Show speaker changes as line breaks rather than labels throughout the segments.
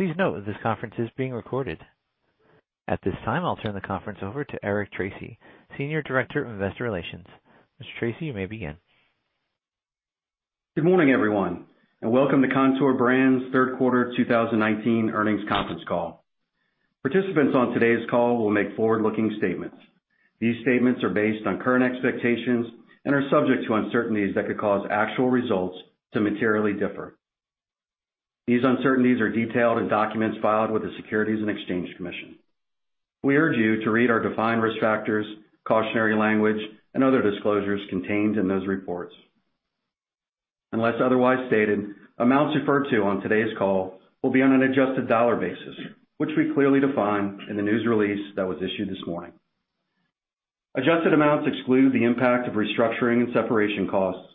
Please note that this conference is being recorded. At this time, I'll turn the conference over to Eric Tracy, Senior Director of Investor Relations. Mr. Tracy, you may begin.
Good morning, everyone, and welcome to Kontoor Brands' third quarter 2019 earnings conference call. Participants on today's call will make forward-looking statements. These statements are based on current expectations and are subject to uncertainties that could cause actual results to materially differ. These uncertainties are detailed in documents filed with the Securities and Exchange Commission. We urge you to read our defined risk factors, cautionary language, and other disclosures contained in those reports. Unless otherwise stated, amounts referred to on today's call will be on an adjusted dollar basis, which we clearly define in the news release that was issued this morning. Adjusted amounts exclude the impact of restructuring and separation costs,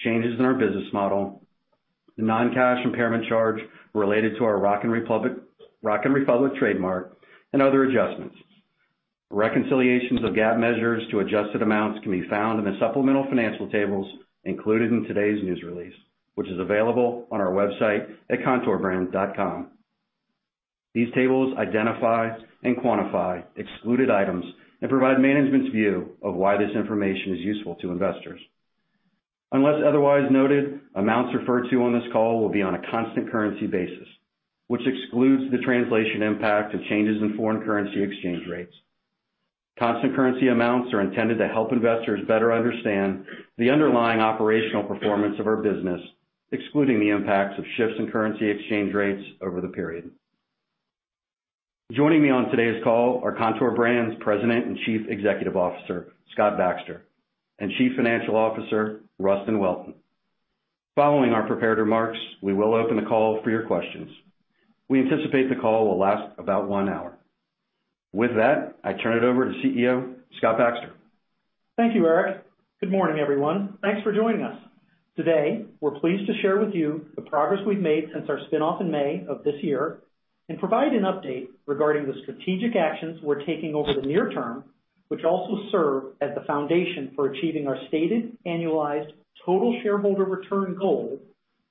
changes in our business model, the non-cash impairment charge related to our Rock & Republic trademark, and other adjustments. Reconciliations of GAAP measures to adjusted amounts can be found in the supplemental financial tables included in today's news release, which is available on our website at kontoorbrands.com. These tables identify and quantify excluded items and provide management's view of why this information is useful to investors. Unless otherwise noted, amounts referred to on this call will be on a constant currency basis, which excludes the translation impact of changes in foreign currency exchange rates. Constant currency amounts are intended to help investors better understand the underlying operational performance of our business, excluding the impacts of shifts in currency exchange rates over the period. Joining me on today's call are Kontoor Brands' President and Chief Executive Officer, Scott Baxter, and Chief Financial Officer, Rustin Welton. Following our prepared remarks, we will open the call for your questions. We anticipate the call will last about one hour. With that, I turn it over to CEO, Scott Baxter.
Thank you, Eric. Good morning, everyone. Thanks for joining us. Today, we're pleased to share with you the progress we've made since our spinoff in May of this year and provide an update regarding the strategic actions we're taking over the near term, which also serve as the foundation for achieving our stated annualized total shareholder return goal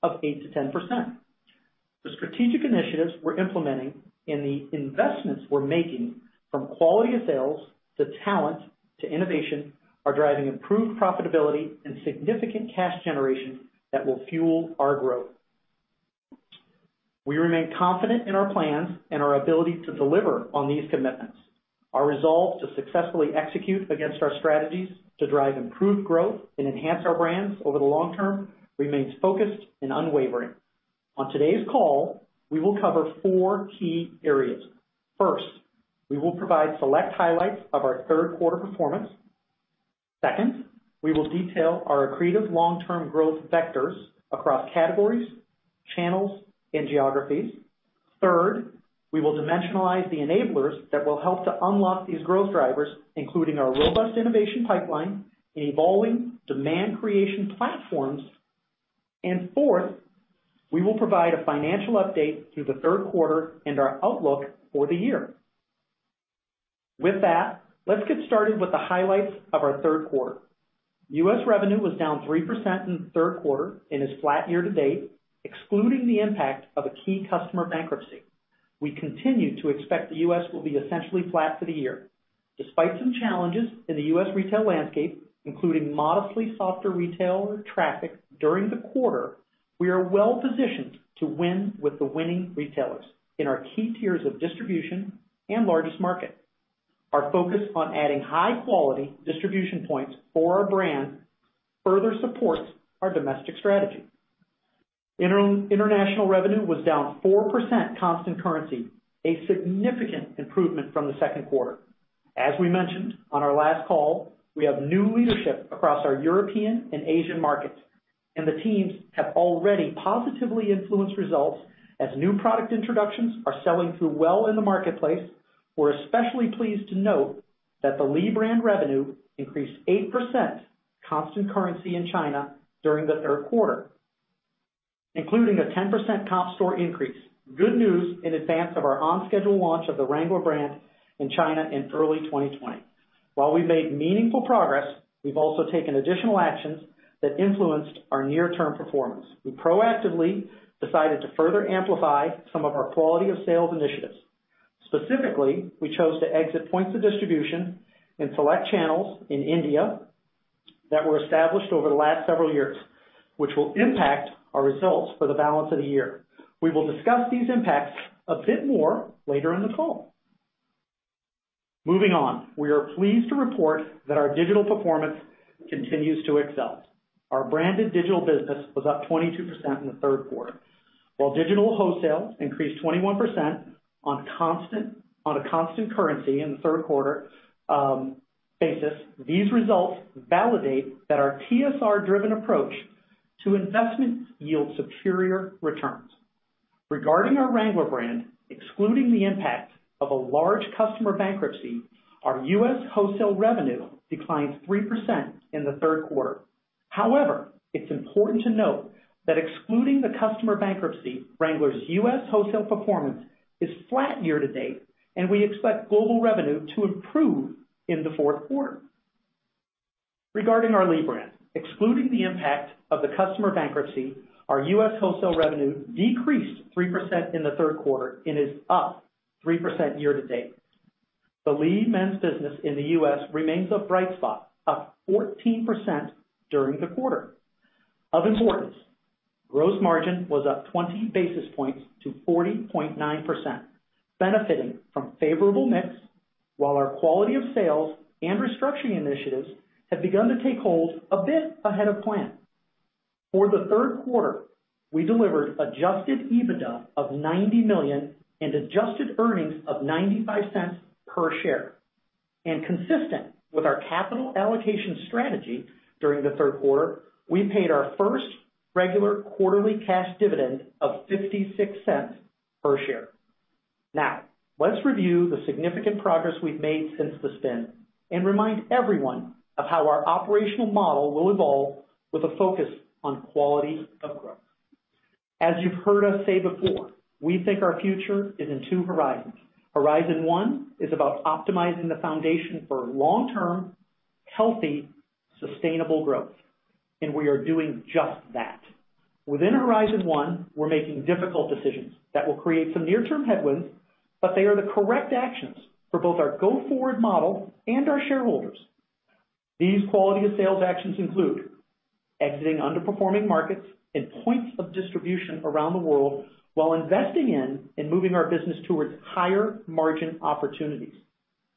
of 8%-10%. The strategic initiatives we're implementing and the investments we're making from quality of sales to talent to innovation are driving improved profitability and significant cash generation that will fuel our growth. We remain confident in our plans and our ability to deliver on these commitments. Our resolve to successfully execute against our strategies to drive improved growth and enhance our brands over the long term remains focused and unwavering. On today's call, we will cover four key areas. First, we will provide select highlights of our third quarter performance. Second, we will detail our accretive long-term growth vectors across categories, channels, and geographies. Third, we will dimensionalize the enablers that will help to unlock these growth drivers, including our robust innovation pipeline and evolving demand creation platforms. Fourth, we will provide a financial update through the third quarter and our outlook for the year. With that, let's get started with the highlights of our third quarter. U.S. revenue was down 3% in the third quarter and is flat year-to-date, excluding the impact of a key customer bankruptcy. We continue to expect the U.S. will be essentially flat for the year. Despite some challenges in the U.S. retail landscape, including modestly softer retailer traffic during the quarter, we are well positioned to win with the winning retailers in our key tiers of distribution and largest market. Our focus on adding high-quality distribution points for our brand further supports our domestic strategy. International revenue was down 4% constant currency, a significant improvement from the second quarter. As we mentioned on our last call, we have new leadership across our European and Asian markets, and the teams have already positively influenced results as new product introductions are selling through well in the marketplace. We're especially pleased to note that the Lee brand revenue increased 8% constant currency in China during the third quarter, including a 10% comp store increase. Good news in advance of our on-schedule launch of the Wrangler brand in China in early 2020. While we've made meaningful progress, we've also taken additional actions that influenced our near-term performance. We proactively decided to further amplify some of our quality of sales initiatives. Specifically, we chose to exit points of distribution in select channels in India that were established over the last several years, which will impact our results for the balance of the year. We will discuss these impacts a bit more later in the call. Moving on, we are pleased to report that our digital performance continues to excel. Our branded digital business was up 22% in the third quarter. While digital wholesale increased 21% on a constant currency in the third quarter basis, these results validate that our TSR-driven approach to investments yield superior returns. Regarding our Wrangler brand, excluding the impact of a large customer bankruptcy, our U.S. wholesale revenue declined 3% in the third quarter. It's important to note that excluding the customer bankruptcy, Wrangler's U.S. wholesale performance is flat year-to-date, and we expect global revenue to improve in the fourth quarter. Regarding our Lee brand, excluding the impact of the customer bankruptcy, our U.S. wholesale revenue decreased 3% in the third quarter and is up 3% year-to-date. The Lee men's business in the U.S. remains a bright spot, up 14% during the quarter. Of importance, gross margin was up 20 basis points to 40.9%, benefiting from favorable mix, while our quality of sales and restructuring initiatives have begun to take hold a bit ahead of plan. For the third quarter, we delivered adjusted EBITDA of $90 million and adjusted earnings of $0.95 per share. Consistent with our capital allocation strategy during the third quarter, we paid our first regular quarterly cash dividend of $0.56 per share. Let's review the significant progress we've made since the spin and remind everyone of how our operational model will evolve with a focus on quality of growth. As you've heard us say before, we think our future is in two horizons. Horizon one is about optimizing the foundation for long-term, healthy, sustainable growth, and we are doing just that. Within horizon one, we're making difficult decisions that will create some near-term headwinds, but they are the correct actions for both our go-forward model and our shareholders. These quality of sales actions include exiting underperforming markets and points of distribution around the world while investing in and moving our business towards higher margin opportunities,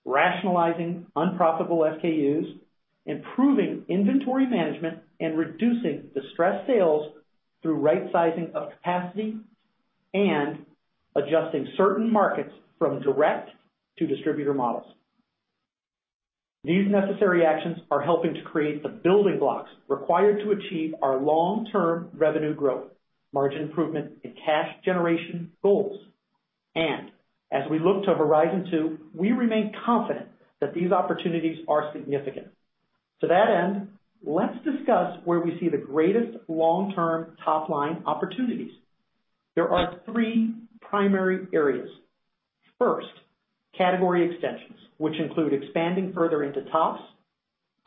rationalizing unprofitable SKUs, improving inventory management, and reducing distressed sales through right sizing of capacity and adjusting certain markets from direct to distributor models. These necessary actions are helping to create the building blocks required to achieve our long-term revenue growth, margin improvement, and cash generation goals. As we look to horizon two, we remain confident that these opportunities are significant. To that end, let's discuss where we see the greatest long-term top-line opportunities. There are three primary areas. First, category extensions, which include expanding further into tops,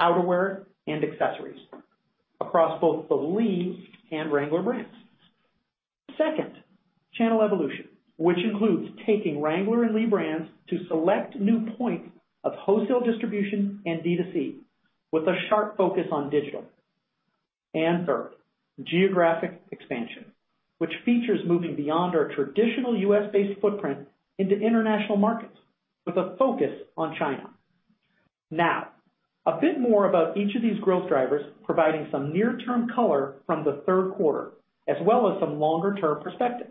outerwear, and accessories across both the Lee and Wrangler brands. Second, channel evolution, which includes taking Wrangler and Lee brands to select new points of wholesale distribution and D2C with a sharp focus on digital. Third, geographic expansion, which features moving beyond our traditional U.S.-based footprint into international markets with a focus on China. Now, a bit more about each of these growth drivers, providing some near-term color from the third quarter, as well as some longer-term perspective.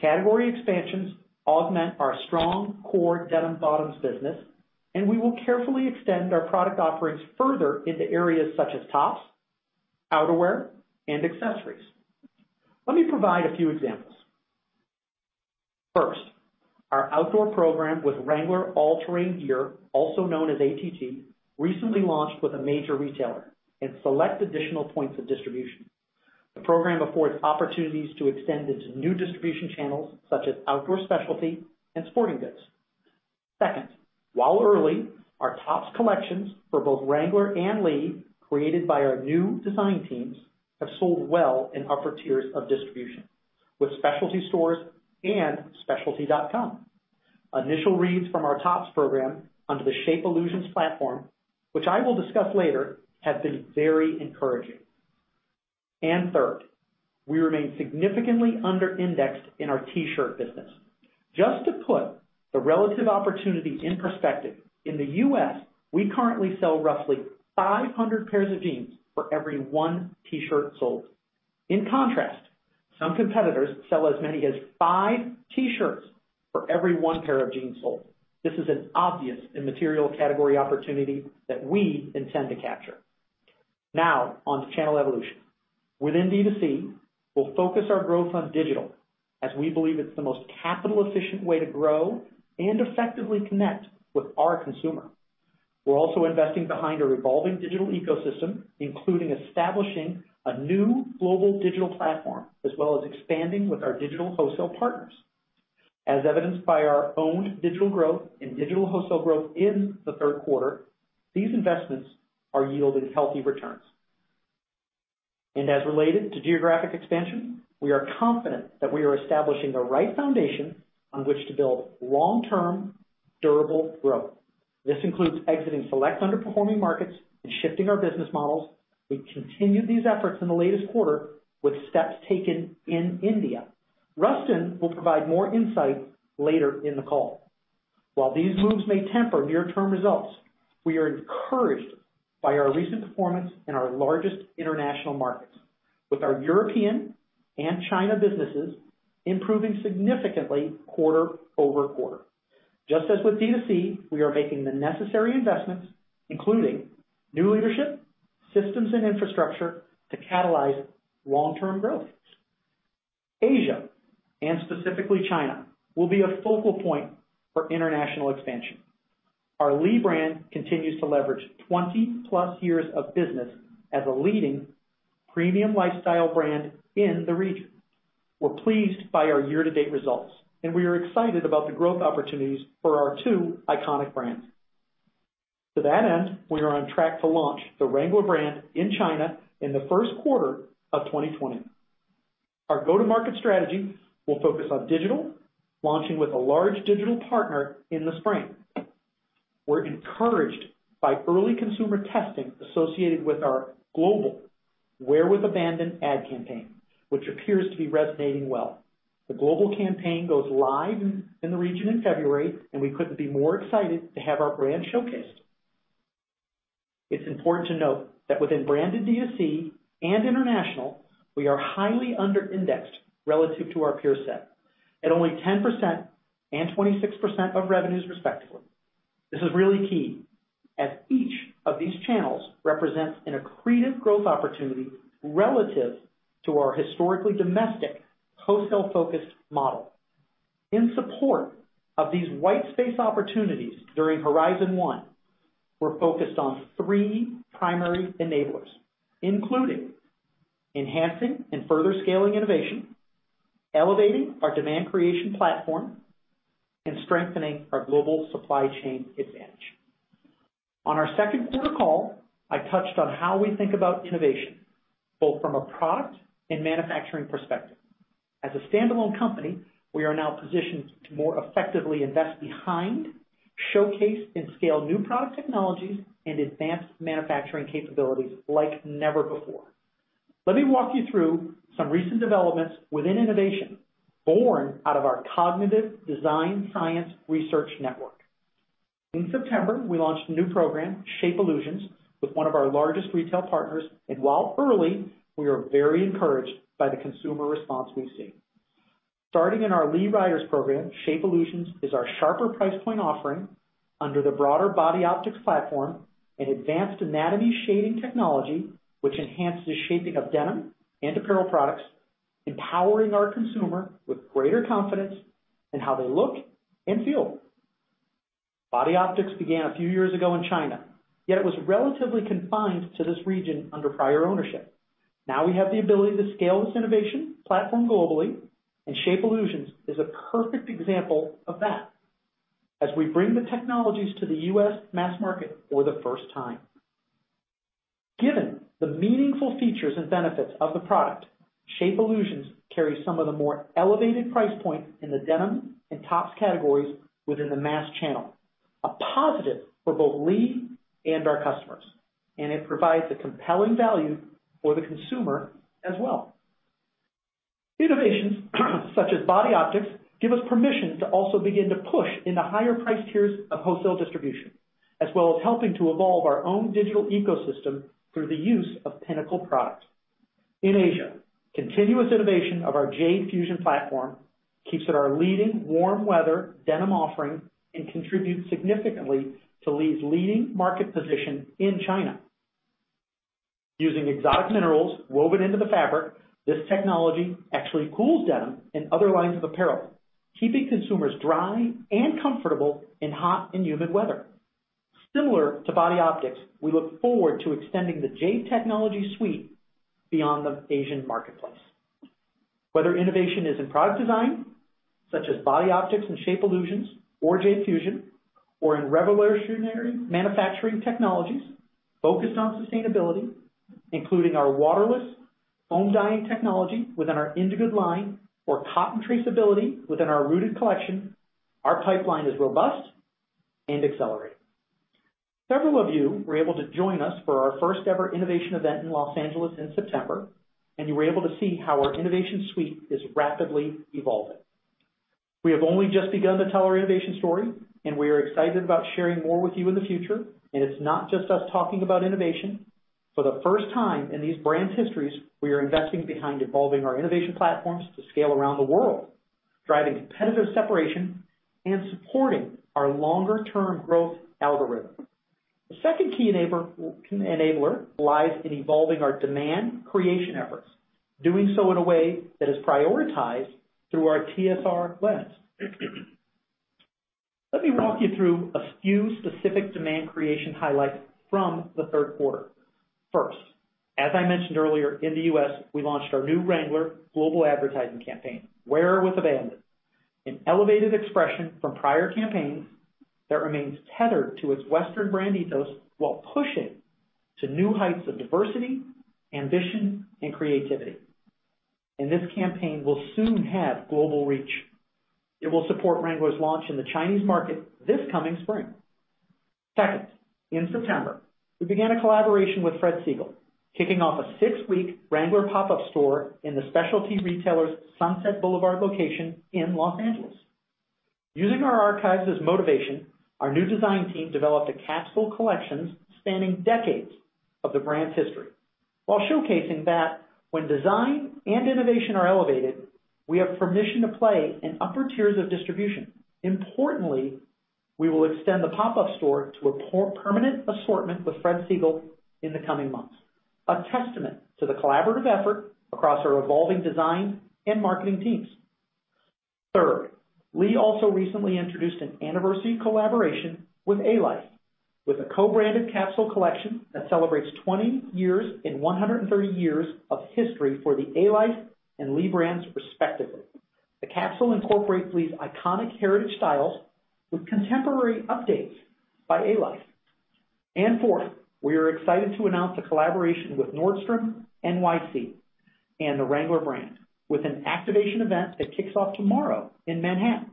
Category expansions augment our strong core denim bottoms business. We will carefully extend our product offerings further into areas such as tops, outerwear, and accessories. Let me provide a few examples. First, our outdoor program with Wrangler All Terrain Gear, also known as ATG, recently launched with a major retailer and select additional points of distribution. The program affords opportunities to extend into new distribution channels such as outdoor specialty and sporting goods. Second, while early, our tops collections for both Wrangler and Lee, created by our new design teams, have sold well in upper tiers of distribution with specialty stores and specialty.com. Initial reads from our tops program under the Shape Illusions platform, which I will discuss later, have been very encouraging. Third, we remain significantly under-indexed in our T-shirt business. Just to put the relative opportunity in perspective, in the U.S., we currently sell roughly 500 pairs of jeans for every one T-shirt sold. In contrast, some competitors sell as many as five T-shirts for every one pair of jeans sold. This is an obvious and material category opportunity that we intend to capture. On to channel evolution. Within D2C, we'll focus our growth on digital as we believe it's the most capital efficient way to grow and effectively connect with our consumer. We're also investing behind a revolving digital ecosystem, including establishing a new global digital platform, as well as expanding with our digital wholesale partners. As evidenced by our own digital growth and digital wholesale growth in the third quarter, these investments are yielding healthy returns. As related to geographic expansion, we are confident that we are establishing the right foundation on which to build long-term, durable growth. This includes exiting select underperforming markets and shifting our business models. We continued these efforts in the latest quarter with steps taken in India. Rustin will provide more insight later in the call. While these moves may temper near-term results, we are encouraged by our recent performance in our largest international markets, with our European and China businesses improving significantly quarter-over-quarter. Just as with D2C, we are making the necessary investments, including new leadership, systems, and infrastructure to catalyze long-term growth. Asia, and specifically China, will be a focal point for international expansion. Our Lee brand continues to leverage 20+ years of business as a leading premium lifestyle brand in the region. We're pleased by our year-to-date results. We are excited about the growth opportunities for our two iconic brands. To that end, we are on track to launch the Wrangler brand in China in the first quarter of 2020. Our go-to-market strategy will focus on digital, launching with a large digital partner in the spring. We're encouraged by early consumer testing associated with our global Wear With Abandon ad campaign, which appears to be resonating well. The global campaign goes live in the region in February. We couldn't be more excited to have our brand showcased. It's important to note that within branded D2C and international, we are highly under-indexed relative to our peer set at only 10% and 26% of revenues respectively. This is really key, as each of these channels represents an accretive growth opportunity relative to our historically domestic wholesale-focused model. In support of these white space opportunities during horizon one, we're focused on three primary enablers, including enhancing and further scaling innovation, elevating our demand creation platform, and strengthening our global supply chain advantage. On our second quarter call, I touched on how we think about innovation, both from a product and manufacturing perspective. As a standalone company, we are now positioned to more effectively invest behind, showcase, and scale new product technologies and advanced manufacturing capabilities like never before. Let me walk you through some recent developments within innovation, born out of our cognitive design science research network. In September, we launched a new program, Shape Illusions, with one of our largest retail partners, and while early, we are very encouraged by the consumer response we've seen. Starting in our Lee Riders program, Shape Illusions is our sharper price point offering under the broader Body Optix platform and advanced anatomy shading technology, which enhances shaping of denim and apparel products, empowering our consumer with greater confidence in how they look and feel. Body Optix began a few years ago in China, yet it was relatively confined to this region under prior ownership. Now we have the ability to scale this innovation platform globally, and Shape Illusions is a perfect example of that as we bring the technologies to the U.S. mass market for the first time. Given the meaningful features and benefits of the product, Shape Illusions carries some of the more elevated price points in the denim and tops categories within the mass channel, a positive for both Lee and our customers, and it provides a compelling value for the consumer as well. Innovations such as Body Optix give us permission to also begin to push into higher price tiers of wholesale distribution, as well as helping to evolve our own digital ecosystem through the use of pinnacle products. In Asia, continuous innovation of our Jade Fusion platform keeps it our leading warm weather denim offering and contributes significantly to Lee's leading market position in China. Using exotic minerals woven into the fabric, this technology actually cools denim and other lines of apparel, keeping consumers dry and comfortable in hot and humid weather. Similar to Body Optix, we look forward to extending the Jade technology suite beyond the Asian marketplace. Whether innovation is in product design, such as Body Optix and Shape Illusions or Jade Fusion, or in revolutionary manufacturing technologies focused on sustainability, including our waterless foam dyeing technology within our Indigood line, or cotton traceability within our Rooted collection, our pipeline is robust and accelerating. Several of you were able to join us for our first-ever innovation event in Los Angeles in September, and you were able to see how our innovation suite is rapidly evolving. We have only just begun to tell our innovation story, and we are excited about sharing more with you in the future. It's not just us talking about innovation. For the first time in these brands' histories, we are investing behind evolving our innovation platforms to scale around the world, driving competitive separation and supporting our longer-term growth algorithm. The second key enabler lies in evolving our demand creation efforts, doing so in a way that is prioritized through our TSR lens. Let me walk you through a few specific demand creation highlights from the third quarter. First, as I mentioned earlier, in the U.S., we launched our new Wrangler global advertising campaign, Wear With Abandon, an elevated expression from prior campaigns that remains tethered to its Western brand ethos while pushing to new heights of diversity, ambition, and creativity. This campaign will soon have global reach. It will support Wrangler's launch in the Chinese market this coming spring. Second, in September, we began a collaboration with Fred Segal, kicking off a six-week Wrangler pop-up store in the specialty retailer's Sunset Boulevard location in L.A. Using our archives as motivation, our new design team developed a capsule collection spanning decades of the brand's history while showcasing that when design and innovation are elevated, we have permission to play in upper tiers of distribution. Importantly, we will extend the pop-up store to a permanent assortment with Fred Segal in the coming months. A testament to the collaborative effort across our evolving design and marketing teams. Third, Lee also recently introduced an anniversary collaboration with Alife, with a co-branded capsule collection that celebrates 20 years and 130 years of history for the Alife and Lee brands respectively. The capsule incorporates Lee's iconic heritage styles with contemporary updates by Alife. Fourth, we are excited to announce a collaboration with Nordstrom NYC and the Wrangler brand, with an activation event that kicks off tomorrow in Manhattan.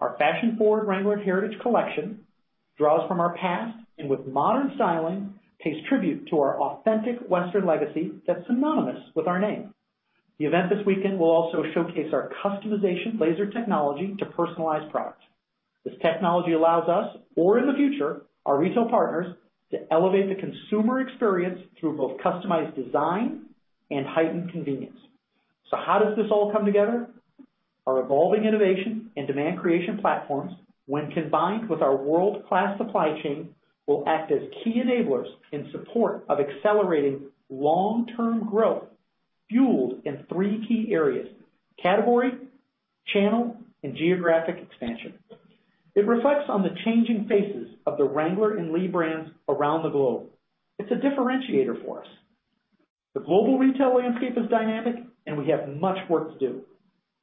Our [fashion-forward] Wrangler Heritage collection draws from our past, and with modern styling, pays tribute to our authentic Western legacy that's synonymous with our name. The event this weekend will also showcase our customization laser technology to personalize products. This technology allows us, or in the future, our retail partners, to elevate the consumer experience through both customized design and heightened convenience. How does this all come together? Our evolving innovation and demand creation platforms, when combined with our world-class supply chain, will act as key enablers in support of accelerating long-term growth, fueled in three key areas: category, channel, and geographic expansion. It reflects on the changing faces of the Wrangler and Lee brands around the globe. It's a differentiator for us. The global retail landscape is dynamic, and we have much work to do.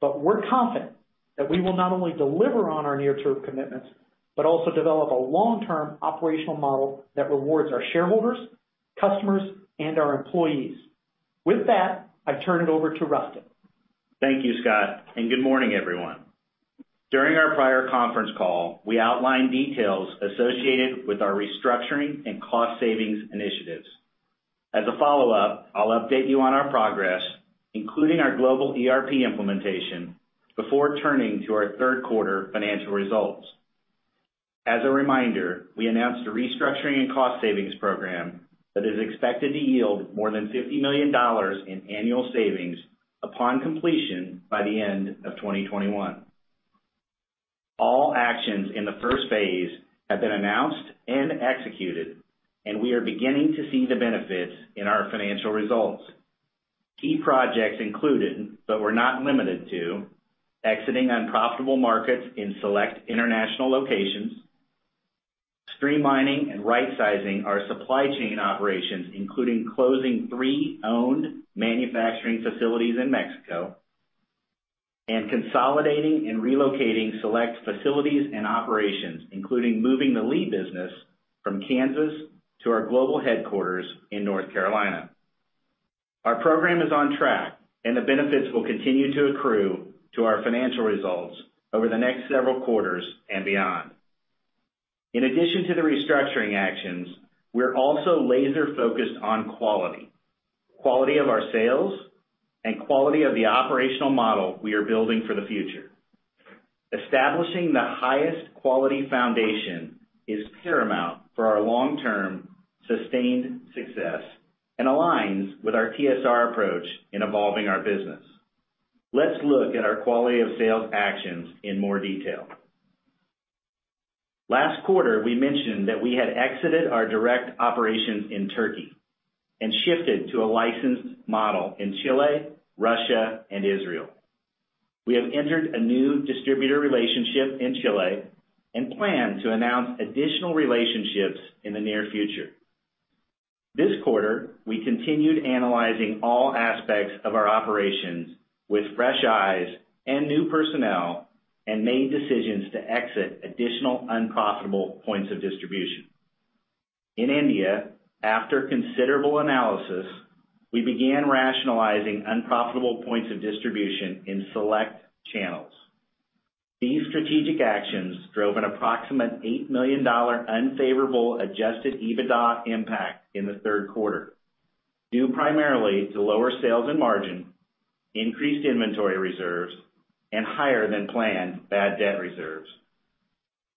We're confident that we will not only deliver on our near-term commitments, but also develop a long-term operational model that rewards our shareholders, customers, and our employees. With that, I turn it over to Rustin.
Thank you, Scott, and good morning, everyone. During our prior conference call, we outlined details associated with our restructuring and cost savings initiatives. As a follow-up, I'll update you on our progress, including our global ERP implementation, before turning to our third quarter financial results. As a reminder, we announced a restructuring and cost savings program that is expected to yield more than $50 million in annual savings upon completion by the end of 2021. All actions in the first phase have been announced and executed. We are beginning to see the benefits in our financial results. Key projects included, but were not limited to, exiting unprofitable markets in select international locations, streamlining and right-sizing our supply chain operations, including closing three owned manufacturing facilities in Mexico, and consolidating and relocating select facilities and operations, including moving the Lee business from Kansas to our global headquarters in North Carolina. Our program is on track. The benefits will continue to accrue to our financial results over the next several quarters and beyond. In addition to the restructuring actions, we're also laser-focused on quality, quality of our sales, and quality of the operational model we are building for the future. Establishing the highest quality foundation is paramount for our long-term sustained success and aligns with our TSR approach in evolving our business. Let's look at our quality of sales actions in more detail. Last quarter, we mentioned that we had exited our direct operations in Turkey and shifted to a licensed model in Chile, Russia, and Israel. We have entered a new distributor relationship in Chile and plan to announce additional relationships in the near future. This quarter, we continued analyzing all aspects of our operations with fresh eyes and new personnel and made decisions to exit additional unprofitable points of distribution. In India, after considerable analysis, we began rationalizing unprofitable points of distribution in select channels. These strategic actions drove an approximate $8 million unfavorable adjusted EBITDA impact in the third quarter, due primarily to lower sales and margin, increased inventory reserves, and higher-than-planned bad debt reserves.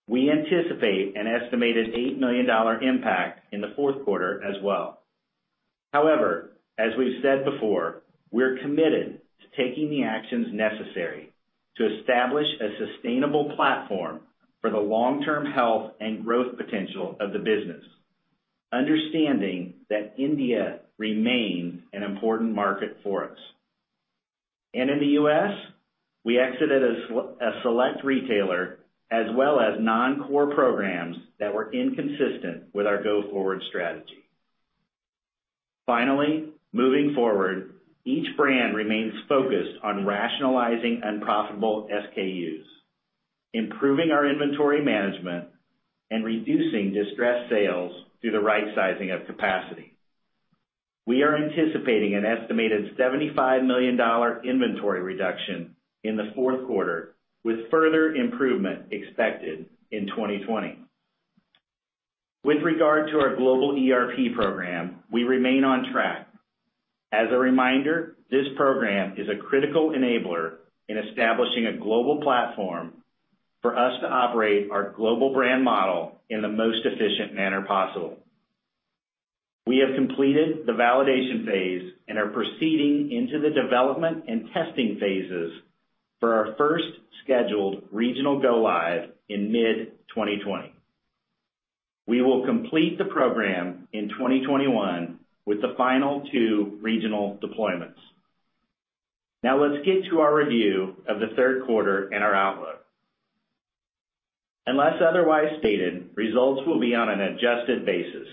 We anticipate an estimated $8 million impact in the fourth quarter as well. As we've said before, we're committed to taking the actions necessary to establish a sustainable platform for the long-term health and growth potential of the business, understanding that India remains an important market for us. In the U.S., we exited a select retailer as well as non-core programs that were inconsistent with our go-forward strategy. Finally, moving forward, each brand remains focused on rationalizing unprofitable SKUs, improving our inventory management, and reducing distressed sales through the right-sizing of capacity. We are anticipating an estimated $75 million inventory reduction in the fourth quarter, with further improvement expected in 2020. With regard to our global ERP program, we remain on track. As a reminder, this program is a critical enabler in establishing a global platform for us to operate our global brand model in the most efficient manner possible. We have completed the validation phase and are proceeding into the development and testing phases for our first scheduled regional go live in mid-2020. We will complete the program in 2021 with the final two regional deployments. Let's get to our review of the third quarter and our outlook. Unless otherwise stated, results will be on an adjusted basis.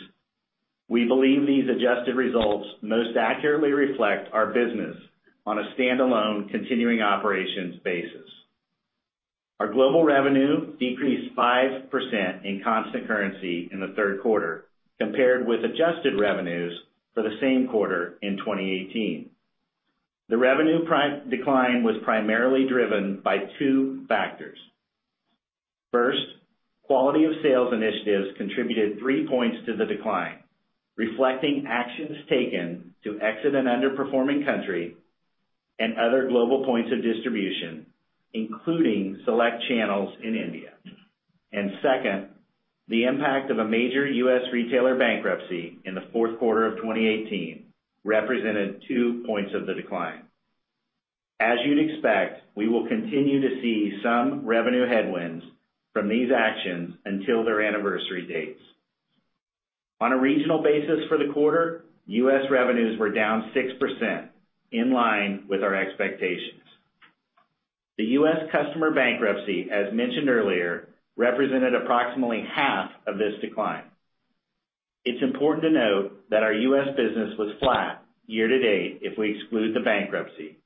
We believe these adjusted results most accurately reflect our business on a standalone continuing operations basis. Our global revenue decreased 5% in constant currency in the third quarter compared with adjusted revenues for the same quarter in 2018. The revenue decline was primarily driven by two factors. First, quality of sales initiatives contributed three points to the decline, reflecting actions taken to exit an underperforming country and other global points of distribution, including select channels in India. Second, the impact of a major U.S. retailer bankruptcy in the fourth quarter of 2018 represented two points of the decline. As you'd expect, we will continue to see some revenue headwinds from these actions until their anniversary dates. On a regional basis for the quarter, U.S. revenues were down 6%, in line with our expectations. The U.S. customer bankruptcy, as mentioned earlier, represented approximately half of this decline. It's important to note that our U.S. business was flat year-to-date if we exclude the bankruptcy,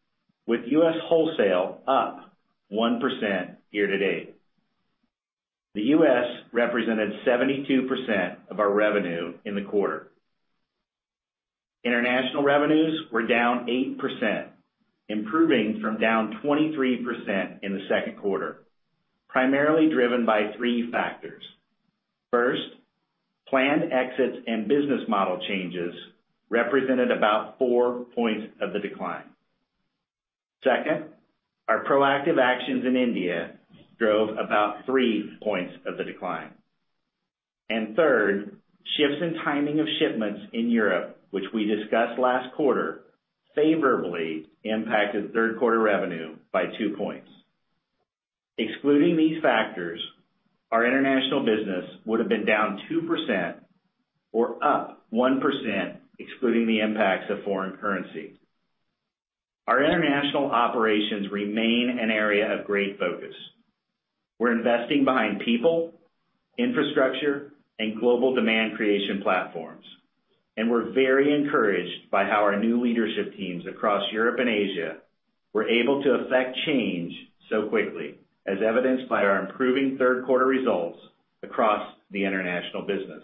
with U.S. wholesale up 1% year-to-date. The U.S. represented 72% of our revenue in the quarter. International revenues were down 8%, improving from down 23% in the second quarter, primarily driven by three factors. First, planned exits and business model changes represented about four points of the decline. Second, our proactive actions in India drove about three points of the decline. Third, shifts in timing of shipments in Europe, which we discussed last quarter, favorably impacted third quarter revenue by two points. Excluding these factors, our international business would've been down 2% or up 1%, excluding the impacts of foreign currency. Our international operations remain an area of great focus. We're investing behind people, infrastructure, and global demand creation platforms. We're very encouraged by how our new leadership teams across Europe and Asia were able to affect change so quickly, as evidenced by our improving third quarter results across the international business.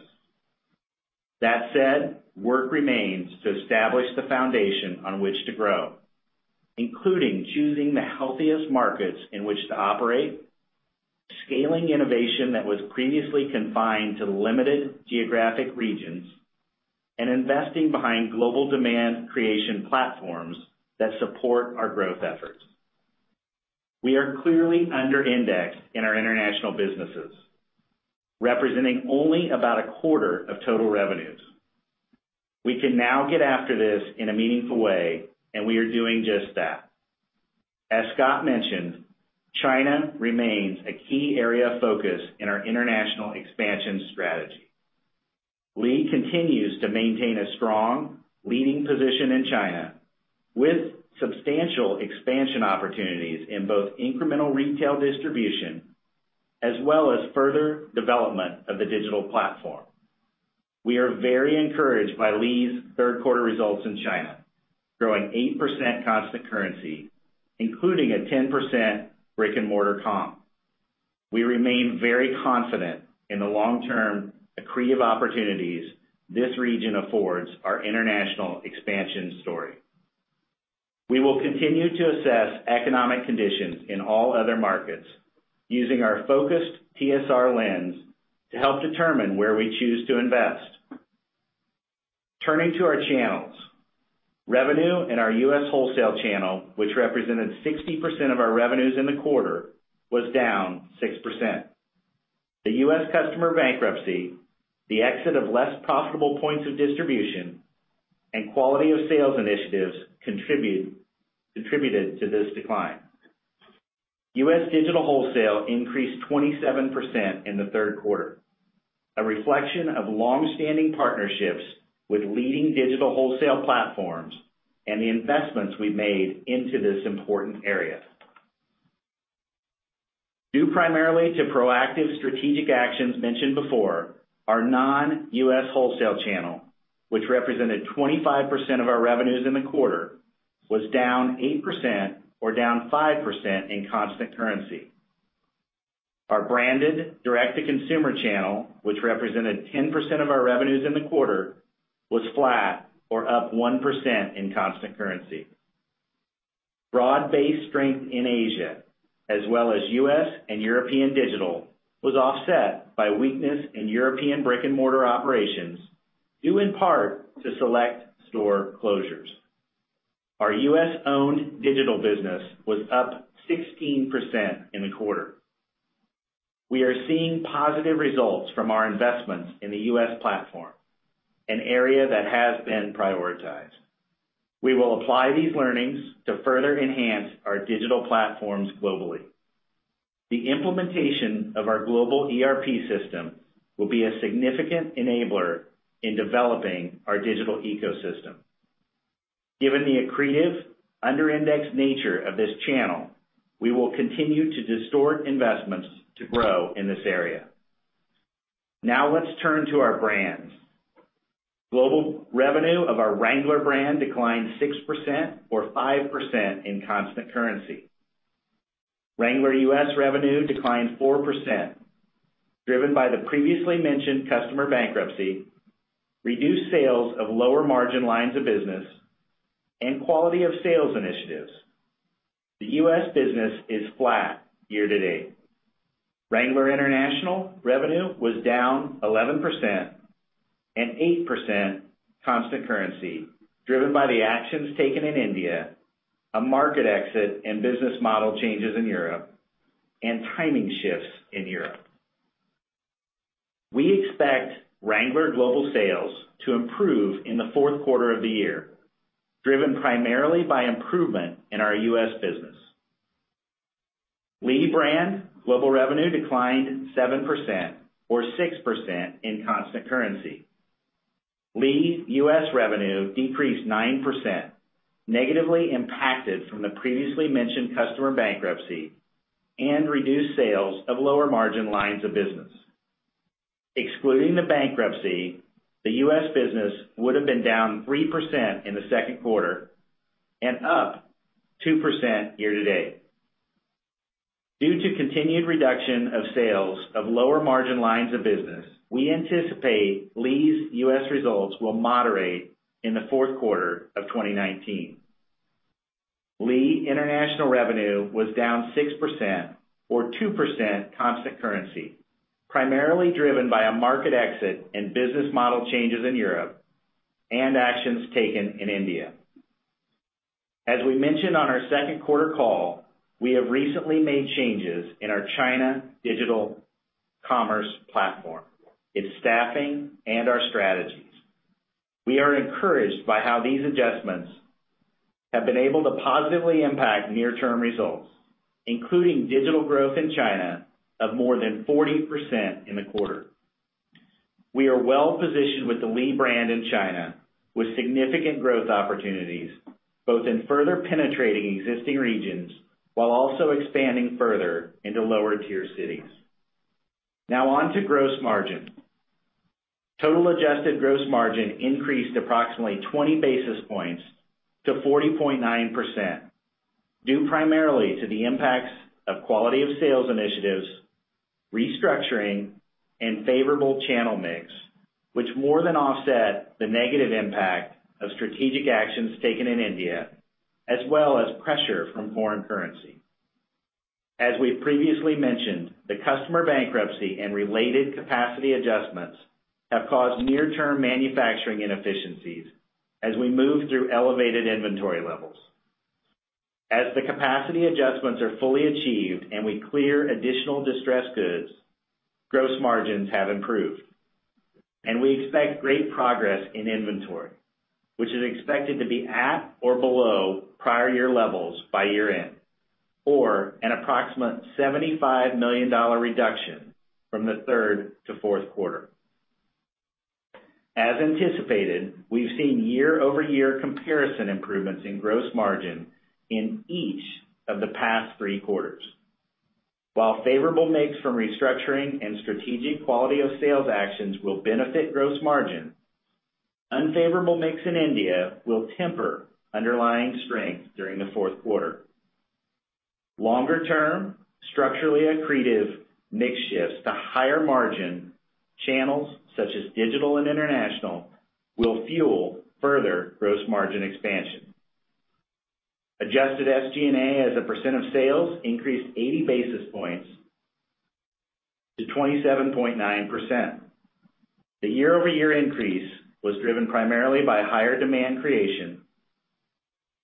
That said, work remains to establish the foundation on which to grow, including choosing the healthiest markets in which to operate, scaling innovation that was previously confined to limited geographic regions, and investing behind global demand creation platforms that support our growth efforts. We are clearly under indexed in our international businesses, representing only about a quarter of total revenues. We can now get after this in a meaningful way. We are doing just that. As Scott mentioned, China remains a key area of focus in our international expansion strategy. Lee continues to maintain a strong, leading position in China with substantial expansion opportunities in both incremental retail distribution as well as further development of the digital platform. We are very encouraged by Lee's third quarter results in China, growing 8% constant currency, including a 10% brick-and-mortar comp. We remain very confident in the long-term accretive opportunities this region affords our international expansion story. We will continue to assess economic conditions in all other markets using our focused TSR lens to help determine where we choose to invest. Turning to our channels, revenue in our U.S. wholesale channel, which represented 60% of our revenues in the quarter, was down 6%. The U.S. customer bankruptcy, the exit of less profitable points of distribution, and quality of sales initiatives contributed to this decline. U.S. digital wholesale increased 27% in the third quarter, a reflection of longstanding partnerships with leading digital wholesale platforms and the investments we've made into this important area. Due primarily to proactive strategic actions mentioned before, our non-U.S. wholesale channel, which represented 25% of our revenues in the quarter, was down 8% or down 5% in constant currency. Our branded direct-to-consumer channel, which represented 10% of our revenues in the quarter, was flat or up 1% in constant currency. Broad-based strength in Asia, as well as U.S. and European digital, was offset by weakness in European brick-and-mortar operations, due in part to select store closures. Our U.S.-owned digital business was up 16% in the quarter. We are seeing positive results from our investments in the U.S. platform, an area that has been prioritized. We will apply these learnings to further enhance our digital platforms globally. The implementation of our global ERP system will be a significant enabler in developing our digital ecosystem. Given the accretive, under-indexed nature of this channel, we will continue to distort investments to grow in this area. Let's turn to our brands. Global revenue of our Wrangler brand declined 6% or 5% in constant currency. Wrangler U.S. revenue declined 4%, driven by the previously mentioned customer bankruptcy, reduced sales of lower margin lines of business, and quality of sales initiatives. The U.S. business is flat year-to-date. Wrangler international revenue was down 11% and 8% constant currency, driven by the actions taken in India, a market exit and business model changes in Europe, and timing shifts in Europe. We expect Wrangler global sales to improve in the fourth quarter of the year, driven primarily by improvement in our U.S. business. Lee brand global revenue declined 7% or 6% in constant currency. Lee U.S. revenue decreased 9%, negatively impacted from the previously mentioned customer bankruptcy and reduced sales of lower margin lines of business. Excluding the bankruptcy, the U.S. business would've been down 3% in the second quarter and up 2% year-to-date. Due to continued reduction of sales of lower margin lines of business, we anticipate Lee's U.S. results will moderate in the fourth quarter of 2019. Lee international revenue was down 6% or 2% constant currency, primarily driven by a market exit and business model changes in Europe and actions taken in India. As we mentioned on our second quarter call, we have recently made changes in our China digital commerce platform, its staffing, and our strategies. We are encouraged by how these adjustments have been able to positively impact near-term results, including digital growth in China of more than 40% in the quarter. We are well-positioned with the Lee brand in China, with significant growth opportunities both in further penetrating existing regions while also expanding further into lower tier cities. On to gross margin. Total adjusted gross margin increased approximately 20 basis points to 40.9%, due primarily to the impacts of quality of sales initiatives, restructuring, and favorable channel mix, which more than offset the negative impact of strategic actions taken in India, as well as pressure from foreign currency. As we previously mentioned, the customer bankruptcy and related capacity adjustments have caused near-term manufacturing inefficiencies as we move through elevated inventory levels. As the capacity adjustments are fully achieved and we clear additional distressed goods, gross margins have improved, and we expect great progress in inventory, which is expected to be at or below prior year levels by year-end. An approximate $75 million reduction from the third to fourth quarter. As anticipated, we've seen year-over-year comparison improvements in gross margin in each of the past three quarters. While favorable mix from restructuring and strategic quality of sales actions will benefit gross margin, unfavorable mix in India will temper underlying strength during the fourth quarter. Longer term, structurally accretive mix shifts to higher margin channels such as digital and international, will fuel further gross margin expansion. Adjusted SG&A as a percent of sales increased 80 basis points to 27.9%. The year-over-year increase was driven primarily by higher demand creation,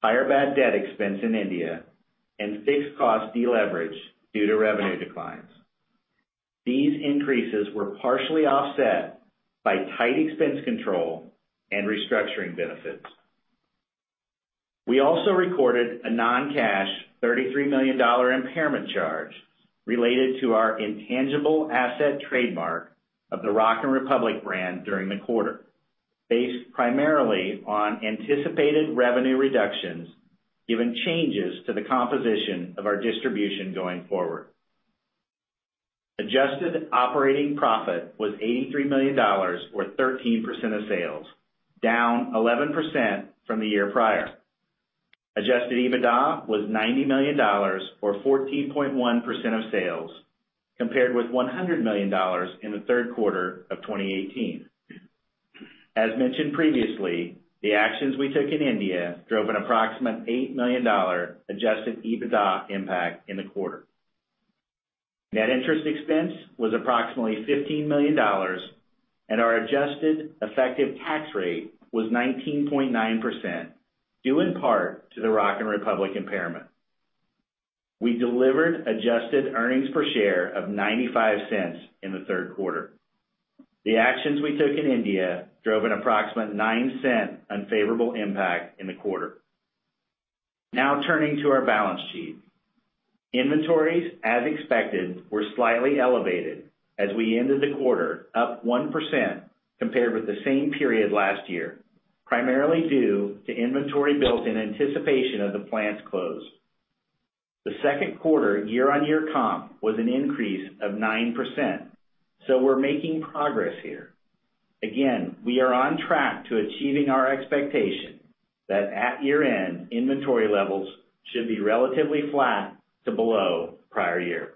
higher bad debt expense in India, and fixed cost deleverage due to revenue declines. These increases were partially offset by tight expense control and restructuring benefits. We also recorded a non-cash $33 million impairment charge related to our intangible asset trademark of the Rock & Republic brand during the quarter, based primarily on anticipated revenue reductions, given changes to the composition of our distribution going forward. Adjusted operating profit was $83 million or 13% of sales, down 11% from the year prior. Adjusted EBITDA was $90 million or 14.1% of sales, compared with $100 million in the third quarter of 2018. As mentioned previously, the actions we took in India drove an approximate $8 million adjusted EBITDA impact in the quarter. Net interest expense was approximately $15 million, and our adjusted effective tax rate was 19.9%, due in part to the Rock & Republic impairment. We delivered adjusted earnings per share of $0.95 in the third quarter. The actions we took in India drove an approximate $0.09 unfavorable impact in the quarter. Now turning to our balance sheet. Inventories, as expected, were slightly elevated as we ended the quarter up 1% compared with the same period last year, primarily due to inventory built in anticipation of the plants close. The second quarter year-on-year comp was an increase of 9%, so we're making progress here. Again, we are on track to achieving our expectation that at year-end, inventory levels should be relatively flat to below prior year.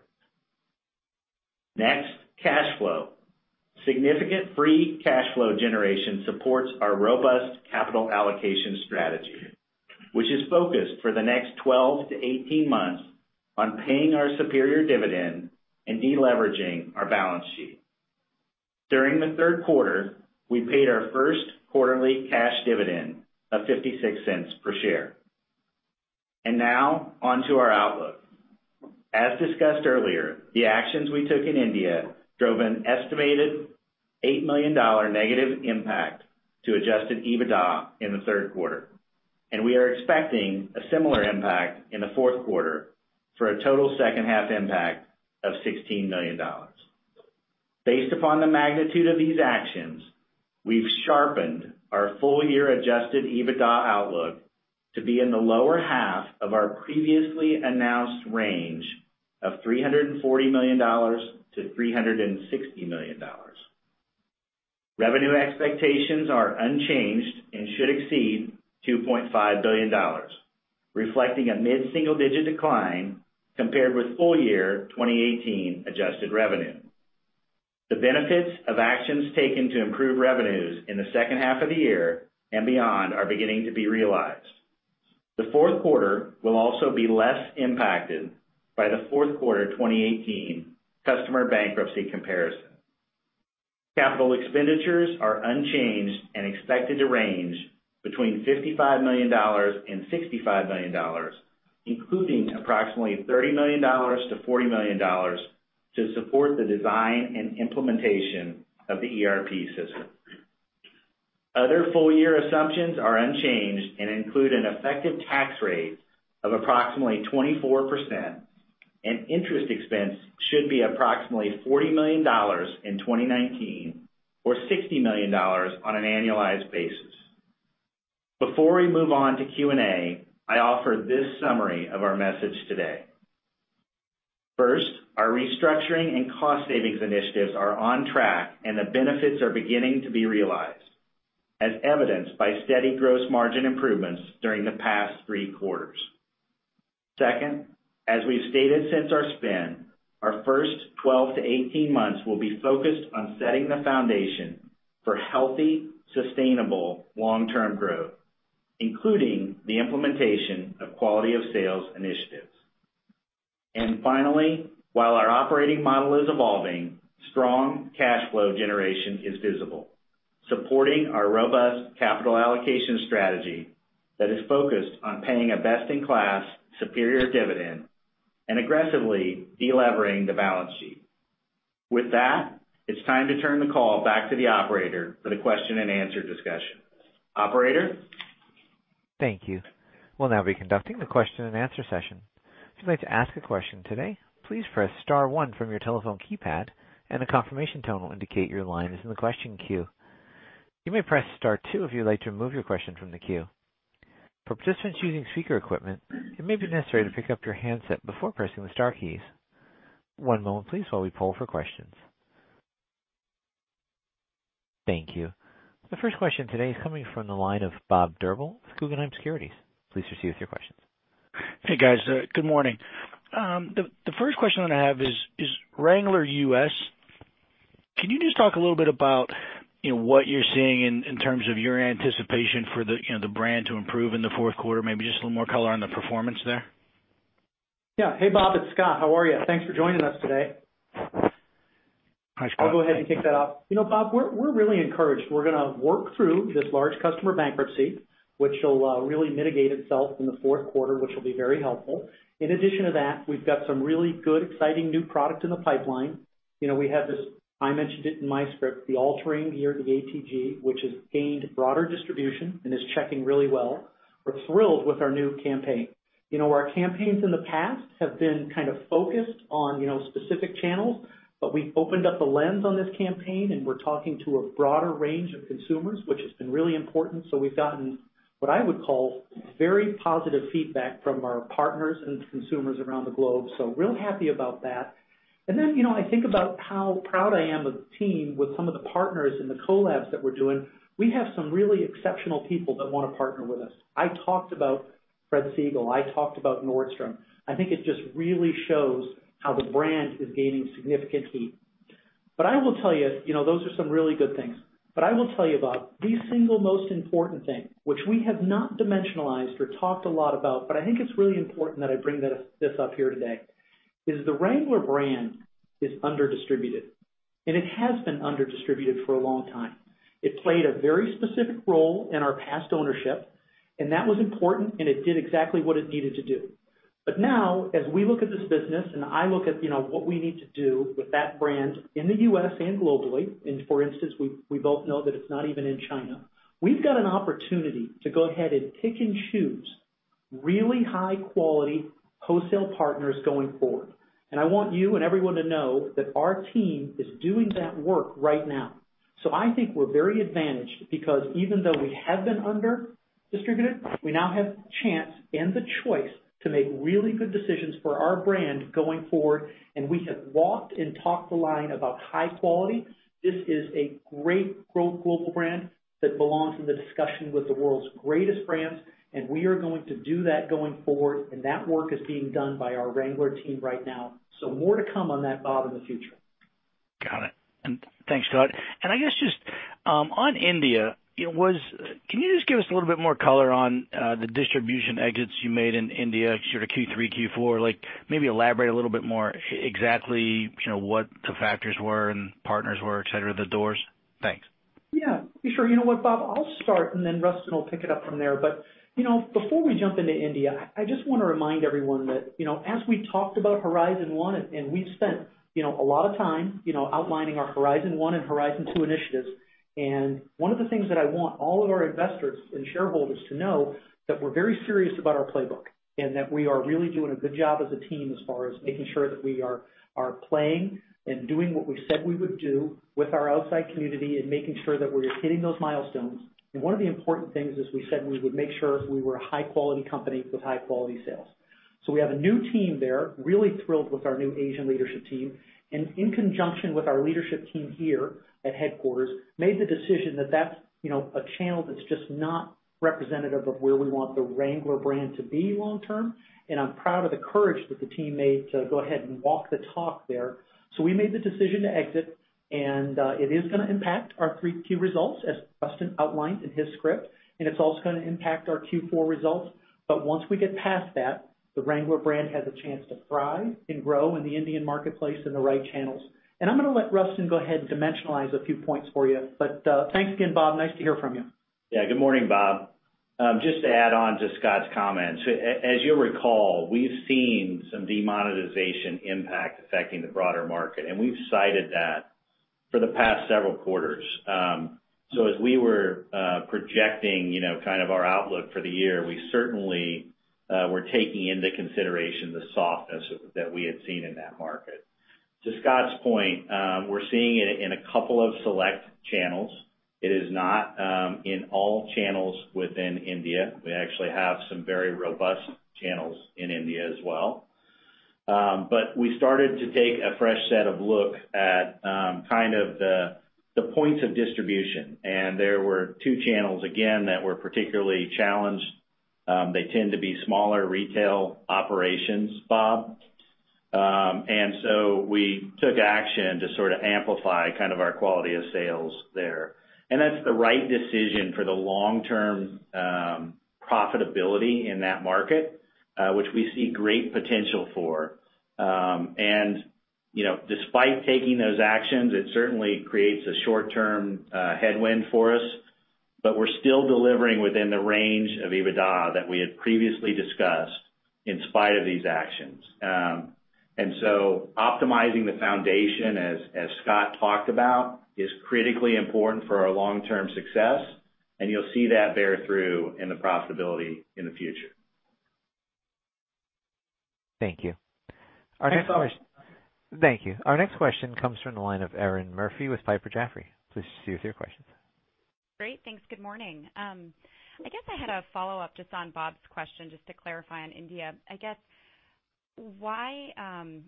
Next, cash flow. Significant free cash flow generation supports our robust capital allocation strategy, which is focused for the next 12-18 months on paying our superior dividend and de-leveraging our balance sheet. During the third quarter, we paid our first quarterly cash dividend of $0.56 per share. Now on to our outlook. As discussed earlier, the actions we took in India drove an estimated $8 million negative impact to adjusted EBITDA in the third quarter, and we are expecting a similar impact in the fourth quarter for a total second half impact of $16 million. Based upon the magnitude of these actions, we've sharpened our full year adjusted EBITDA outlook to be in the lower half of our previously announced range of $340 million-$360 million. Revenue expectations are unchanged and should exceed $2.5 billion, reflecting a mid-single-digit decline compared with full year 2018 adjusted revenue. The benefits of actions taken to improve revenues in the second half of the year and beyond are beginning to be realized. The fourth quarter will also be less impacted by the fourth quarter 2018 customer bankruptcy comparison. Capital expenditures are unchanged and expected to range between $55 million and $65 million, including approximately $30 million-$40 million to support the design and implementation of the ERP system. Other full year assumptions are unchanged and include an effective tax rate of approximately 24%. Interest expense should be approximately $40 million in 2019, or $60 million on an annualized basis. Before we move on to Q&A, I offer this summary of our message today. First, our restructuring and cost savings initiatives are on track. The benefits are beginning to be realized, as evidenced by steady gross margin improvements during the past three quarters. Second, as we've stated since our spin, our first 12-18 months will be focused on setting the foundation for healthy, sustainable long-term growth, including the implementation of quality of sales initiatives. Finally, while our operating model is evolving, strong cash flow generation is visible, supporting our robust capital allocation strategy that is focused on paying a best-in-class superior dividend and aggressively [de-leveraging] the balance sheet. With that, it's time to turn the call back to the operator for the question and answer discussion. Operator?
Thank you. We'll now be conducting the question and answer session. If you'd like to ask a question today, please press star one from your telephone keypad, and a confirmation tone will indicate your line is in the question queue. You may press star two if you'd like to remove your question from the queue. For participants using speaker equipment, it may be necessary to pick up your handset before pressing the star keys. One moment, please, while we poll for questions. Thank you. The first question today is coming from the line of Bob Drbul with Guggenheim Securities. Please proceed with your questions.
Hey, guys. Good morning. The first question I have is Wrangler U.S., can you just talk a little bit about what you're seeing in terms of your anticipation for the brand to improve in the fourth quarter? Maybe just a little more color on the performance there.
Yeah. Hey, Bob, it's Scott. How are you? Thanks for joining us today.
Hi, Scott.
I'll go ahead and kick that off. Bob, we're really encouraged. We're gonna work through this large customer bankruptcy, which will really mitigate itself in the fourth quarter, which will be very helpful. In addition to that, we've got some really good, exciting new product in the pipeline. We have this, I mentioned it in my script, the All Terrain Gear, the ATG, which has gained broader distribution and is checking really well. We're thrilled with our new campaign. Our campaigns in the past have been kind of focused on specific channels, but we've opened up the lens on this campaign, and we're talking to a broader range of consumers, which has been really important. We've gotten what I would call very positive feedback from our partners and consumers around the globe, so real happy about that. I think about how proud I am of the team with some of the partners in the collabs that we're doing. We have some really exceptional people that want to partner with us. I talked about Fred Segal. I talked about Nordstrom. I think it just really shows how the brand is gaining significant heat. I will tell you, those are some really good things. I will tell you, Bob, the single most important thing, which we have not dimensionalized or talked a lot about, but I think it's really important that I bring this up here today. Is the Wrangler brand is under-distributed, and it has been under-distributed for a long time. It played a very specific role in our past ownership, and that was important, and it did exactly what it needed to do. Now, as we look at this business and I look at what we need to do with that brand in the U.S. and globally, and for instance, we both know that it's not even in China. We've got an opportunity to go ahead and pick and choose really high-quality wholesale partners going forward. I want you and everyone to know that our team is doing that work right now. I think we're very advantaged because even though we have been under-distributed, we now have the chance and the choice to make really good decisions for our brand going forward. We have walked and talked the line about high quality. This is a great global brand that belongs in the discussion with the world's greatest brands, and we are going to do that going forward, and that work is being done by our Wrangler team right now. More to come on that, Bob, in the future.
Got it. Thanks, Scott. I guess just on India, can you just give us a little bit more color on the distribution exits you made in India, sort of Q3, Q4? Maybe elaborate a little bit more exactly what the factors were and partners were, et cetera, the doors. Thanks.
Yeah. Sure. You know what, Bob? I'll start, and then Rustin will pick it up from there. Before we jump into India, I just want to remind everyone that as we talked about horizon one, and we've spent a lot of time outlining our horizon one and horizon two initiatives. One of the things that I want all of our investors and shareholders to know that we're very serious about our playbook, and that we are really doing a good job as a team as far as making sure that we are playing and doing what we said we would do with our outside community, and making sure that we're hitting those milestones. One of the important things is we said we would make sure we were a high-quality company with high-quality sales. We have a new team there, really thrilled with our new Asian leadership team. In conjunction with our leadership team here at headquarters, made the decision that that's a channel that's just not representative of where we want the Wrangler brand to be long term. I'm proud of the courage that the team made to go ahead and walk the talk there. We made the decision to exit, and it is going to impact our 3Q results, as Rustin outlined in his script, and it's also going to impact our Q4 results. Once we get past that, the Wrangler brand has a chance to thrive and grow in the Indian marketplace in the right channels. I'm going to let Rustin go ahead and dimensionalize a few points for you. Thanks again, Bob. Nice to hear from you.
Good morning, Bob. Just to add on to Scott's comments. As you'll recall, we've seen some demonetization impact affecting the broader market, and we've cited that for the past several quarters. As we were projecting our outlook for the year, we certainly were taking into consideration the softness that we had seen in that market. To Scott's point, we're seeing it in a couple of select channels. It is not in all channels within India. We actually have some very robust channels in India as well. We started to take a fresh set of look at the points of distribution. There were two channels, again, that were particularly challenged. They tend to be smaller retail operations, Bob. We took action to amplify our quality of sales there. That's the right decision for the long-term profitability in that market, which we see great potential for. Despite taking those actions, it certainly creates a short-term headwind for us. We're still delivering within the range of EBITDA that we had previously discussed in spite of these actions. Optimizing the foundation, as Scott talked about, is critically important for our long-term success, and you'll see that bear through in the profitability in the future.
Thank you.
Thanks, Bob.
Thank you. Our next question comes from the line of Erinn Murphy with Piper Jaffray. Please proceed with your questions.
Great. Thanks. Good morning. I guess I had a follow-up just on Bob's question, just to clarify on India. I guess, on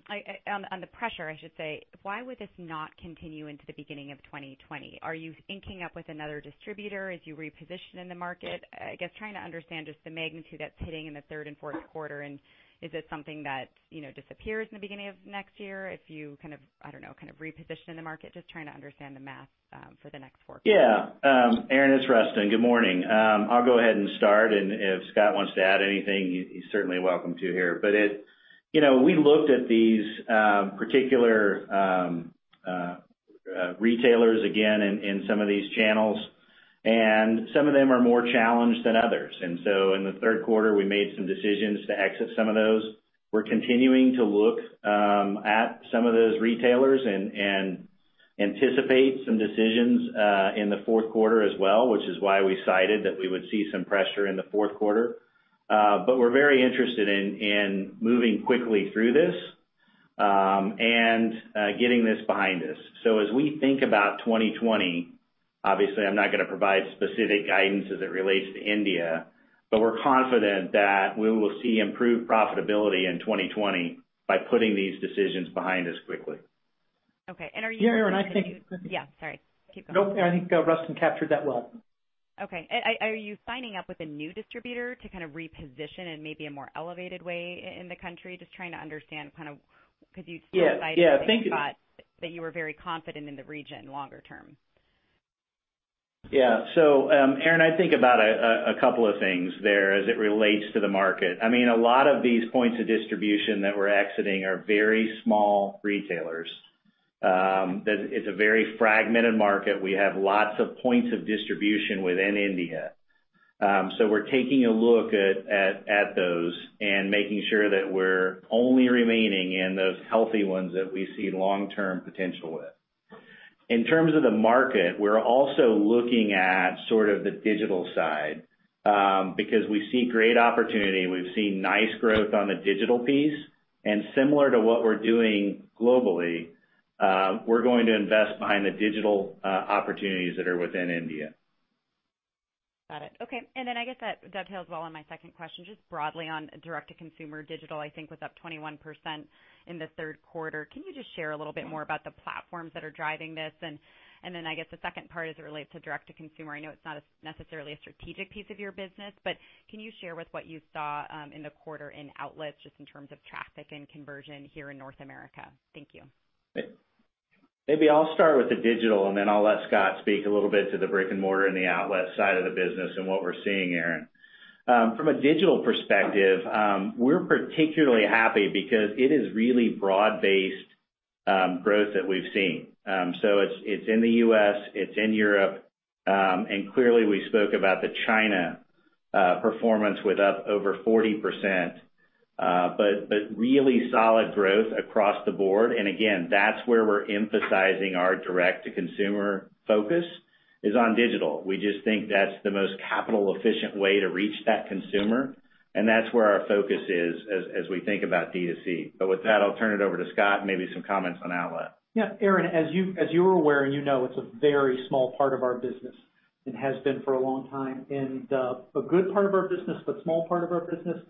the pressure, I should say, why would this not continue into the beginning of 2020? Are you inking up with another distributor as you reposition in the market? I guess trying to understand just the magnitude that's hitting in the third and fourth quarter. Is it something that disappears in the beginning of next year if you, I don't know, reposition in the market? Just trying to understand the math for the next four quarters.
Yeah. Erinn, it's Rustin. Good morning. I'll go ahead and start, and if Scott wants to add anything, he's certainly welcome to here. We looked at these particular retailers again in some of these channels, and some of them are more challenged than others. In the third quarter, we made some decisions to exit some of those. We're continuing to look at some of those retailers and anticipate some decisions in the fourth quarter as well, which is why we cited that we would see some pressure in the fourth quarter. We're very interested in moving quickly through this and getting this behind us. As we think about 2020, obviously, I'm not going to provide specific guidance as it relates to India, but we're confident that we will see improved profitability in 2020 by putting these decisions behind us quickly.
Okay. Are you-
Erinn...
Yeah, sorry. Keep going.
Nope. I think Rustin captured that well.
Okay. Are you signing up with a new distributor to reposition in maybe a more elevated way in the country? Just trying to understand, because you still cited...
Yeah. Thank you.
That you were very confident in the region longer term.
Erinn, I think about a couple of things there as it relates to the market. A lot of these points of distribution that we're exiting are very small retailers. It's a very fragmented market. We have lots of points of distribution within India. We're taking a look at those and making sure that we're only remaining in those healthy ones that we see long-term potential with. In terms of the market, we're also looking at the digital side because we see great opportunity. We've seen nice growth on the digital piece, and similar to what we're doing globally, we're going to invest behind the digital opportunities that are within India.
Got it. Okay. I guess that dovetails well on my second question, just broadly on direct-to-consumer digital, I think, was up 21% in the third quarter. Can you just share a little bit more about the platforms that are driving this? I guess the second part as it relates to direct-to-consumer. I know it's not necessarily a strategic piece of your business, but can you share with what you saw in the quarter in outlets just in terms of traffic and conversion here in North America? Thank you.
Maybe I'll start with the digital, and then I'll let Scott speak a little bit to the brick-and-mortar and the outlet side of the business and what we're seeing, Erinn. From a digital perspective, we're particularly happy because it is really broad-based growth that we've seen. It's in the U.S., it's in Europe, and clearly we spoke about the China performance with up over 40%. Really solid growth across the board. Again, that's where we're emphasizing our direct-to-consumer focus is on digital. We just think that's the most capital efficient way to reach that consumer, and that's where our focus is as we think about D2C. With that, I'll turn it over to Scott, maybe some comments on outlet.
Yeah. Erinn, as you are aware and you know, it's a very small part of our business and has been for a long time. A good part of our business, but small part of our business.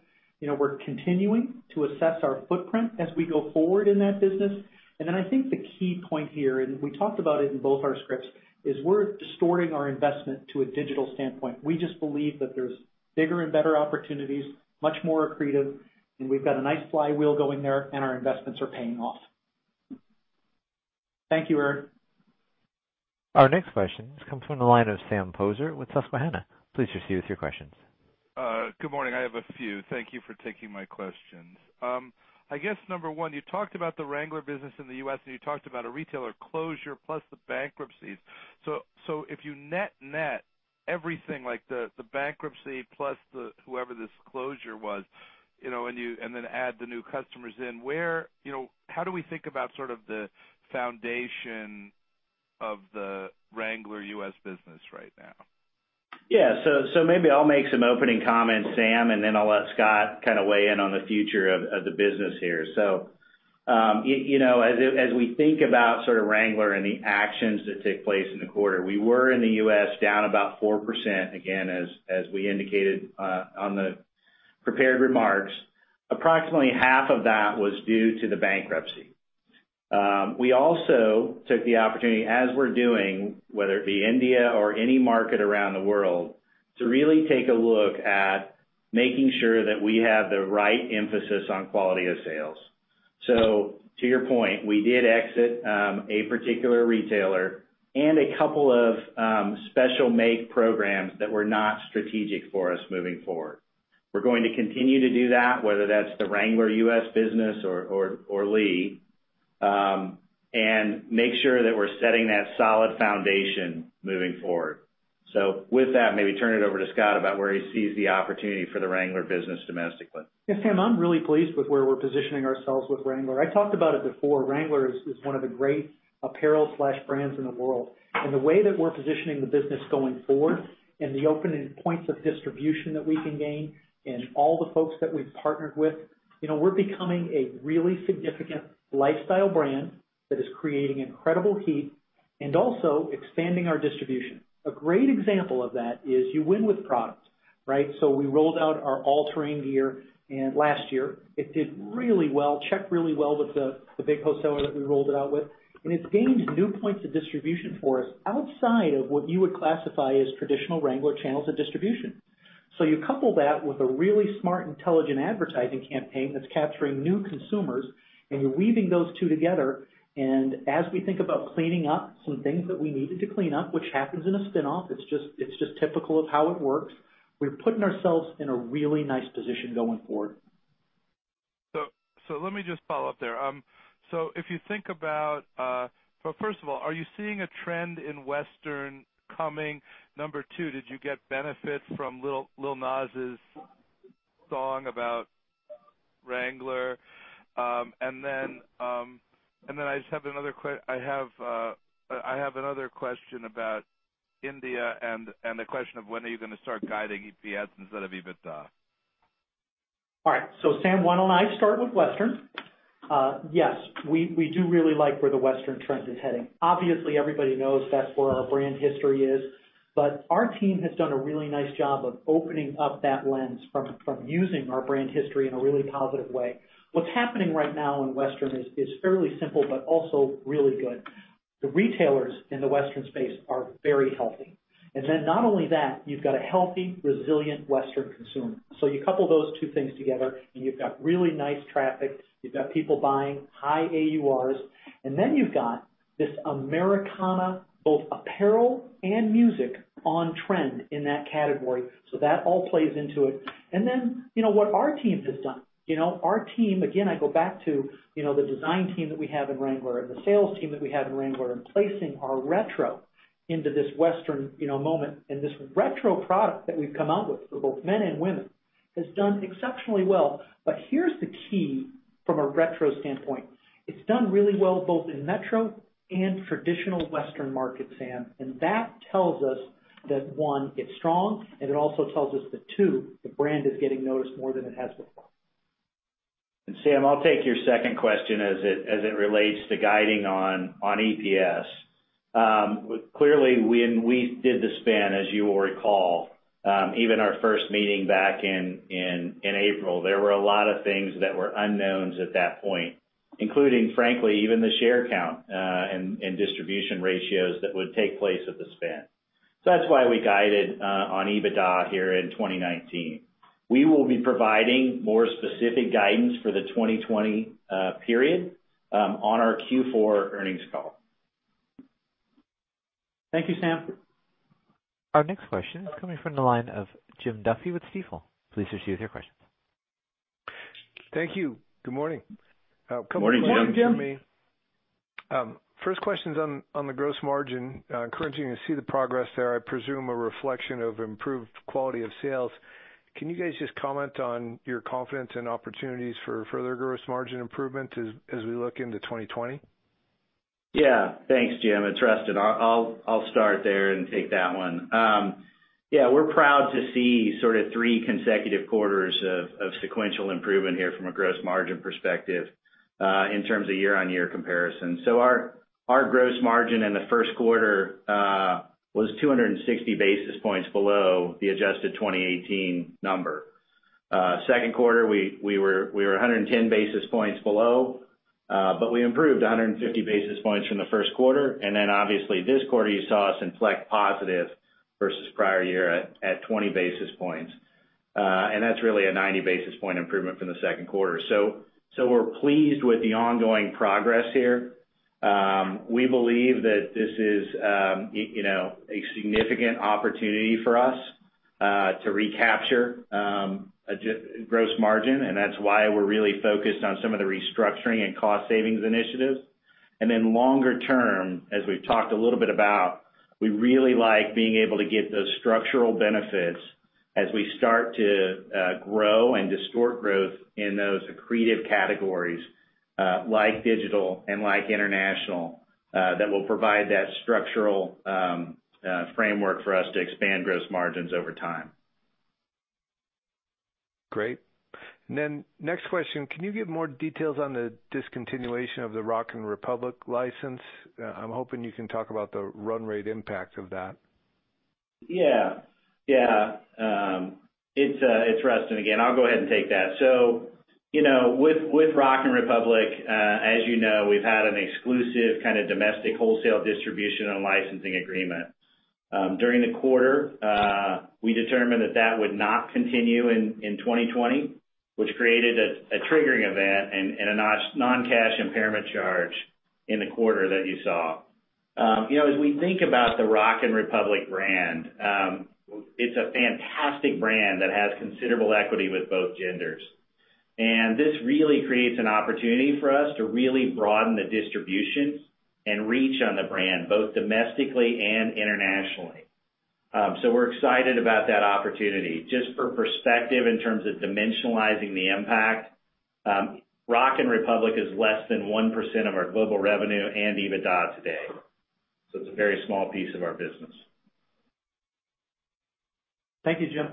We're continuing to assess our footprint as we go forward in that business. I think the key point here, and we talked about it in both our scripts, is we're distorting our investment to a digital standpoint. We just believe that there's bigger and better opportunities, much more accretive, and we've got a nice flywheel going there, and our investments are paying off. Thank you, Erinn.
Our next question comes from the line of Sam Poser with Susquehanna. Please proceed with your questions.
Good morning. I have a few. Thank you for taking my questions. I guess number one, you talked about the Wrangler business in the U.S., and you talked about a retailer closure plus the bankruptcies. If you net net everything like the bankruptcy plus whoever this closure was, and then add the new customers in, how do we think about the foundation of the Wrangler U.S. business right now?
Maybe I'll make some opening comments, Sam, and then I'll let Scott weigh in on the future of the business here. As we think about Wrangler and the actions that took place in the quarter, we were in the U.S. down about 4%, again, as we indicated on the prepared remarks. Approximately half of that was due to the bankruptcy. We also took the opportunity, as we're doing, whether it be India or any market around the world, to really take a look at making sure that we have the right emphasis on quality of sales. To your point, we did exit a particular retailer and a couple of special make programs that were not strategic for us moving forward. We're going to continue to do that, whether that's the Wrangler U.S. business or Lee, and make sure that we're setting that solid foundation moving forward. With that, maybe turn it over to Scott about where he sees the opportunity for the Wrangler business domestically.
Yeah, Sam, I'm really pleased with where we're positioning ourselves with Wrangler. I talked about it before. Wrangler is one of the great apparel/brands in the world. The way that we're positioning the business going forward and the opening points of distribution that we can gain and all the folks that we've partnered with, we're becoming a really significant lifestyle brand that is creating incredible heat and also expanding our distribution. A great example of that is you win with product, right? We rolled out our All Terrain Gear last year. It did really well, checked really well with the big wholesaler that we rolled it out with, and it's gained new points of distribution for us outside of what you would classify as traditional Wrangler channels of distribution. You couple that with a really smart, intelligent advertising campaign that's capturing new consumers, and you're weaving those two together. As we think about cleaning up some things that we needed to clean up, which happens in a spin-off, it's just typical of how it works. We're putting ourselves in a really nice position going forward.
Let me just follow up there. First of all, are you seeing a trend in Western coming? Number two, did you get benefit from Lil Nas' song about Wrangler? Then I have another question about India and the question of when are you going to start guiding EPS instead of EBITDA?
All right. Sam, why don't I start with Western? Yes, we do really like where the Western trend is heading. Obviously, everybody knows that's where our brand history is, but our team has done a really nice job of opening up that lens from using our brand history in a really positive way. What's happening right now in Western is fairly simple, but also really good. The retailers in the Western space are very healthy. Not only that, you've got a healthy, resilient Western consumer. You couple those two things together, and you've got really nice traffic. You've got people buying high AURs, and then you've got this Americana, both apparel and music, on trend in that category. That all plays into it. What our teams have done. Our team, again, I go back to the design team that we have in Wrangler and the sales team that we have in Wrangler in placing our retro into this Western moment. This retro product that we've come out with for both men and women has done exceptionally well. Here's the key from a retro standpoint. It's done really well both in metro and traditional Western markets, Sam. That tells us that, one, it's strong, and it also tells us that, two, the brand is getting noticed more than it has before.
Sam, I'll take your second question as it relates to guiding on EPS. Clearly, when we did the spin, as you will recall, even our first meeting back in April, there were a lot of things that were unknowns at that point, including, frankly, even the share count, and distribution ratios that would take place at the spin. That's why we guided on EBITDA here in 2019. We will be providing more specific guidance for the 2020 period on our Q4 earnings call.
Thank you, Sam.
Our next question is coming from the line of Jim Duffy with Stifel. Please proceed with your question.
Thank you. Good morning.
Morning, Jim.
Morning.
First question's on the gross margin. Currently, you see the progress there, I presume a reflection of improved quality of sales. Can you guys just comment on your confidence and opportunities for further gross margin improvement as we look into 2020?
Thanks, Jim. It's Rustin. I'll start there and take that one. We're proud to see sort of three consecutive quarters of sequential improvement here from a gross margin perspective, in terms of year-on-year comparison. Our gross margin in the first quarter was 260 basis points below the adjusted 2018 number. Second quarter, we were 110 basis points below, but we improved 150 basis points from the first quarter. Obviously this quarter, you saw us inflect positive versus prior year at 20 basis points. That's really a 90 basis point improvement from the second quarter. We're pleased with the ongoing progress here. We believe that this is a significant opportunity for us, to recapture gross margin, and that's why we're really focused on some of the restructuring and cost savings initiatives. Longer term, as we've talked a little bit about, we really like being able to get those structural benefits as we start to grow and distort growth in those accretive categories, like digital and like international, that will provide that structural framework for us to expand gross margins over time.
Great. Next question, can you give more details on the discontinuation of the Rock & Republic license? I'm hoping you can talk about the run rate impact of that.
Yeah. It's Rustin again. I'll go ahead and take that. With Rock & Republic, as you know, we've had an exclusive kind of domestic wholesale distribution and licensing agreement. During the quarter, we determined that that would not continue in 2020, which created a triggering event and a non-cash impairment charge in the quarter that you saw. As we think about the Rock & Republic brand, it's a fantastic brand that has considerable equity with both genders. This really creates an opportunity for us to really broaden the distribution and reach on the brand, both domestically and internationally. We're excited about that opportunity. Just for perspective, in terms of dimensionalizing the impact, Rock & Republic is less than 1% of our global revenue and EBITDA today. It's a very small piece of our business.
Thank you, Jim.